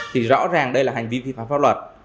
thì rõ ràng đây là hành vi phi pháp luật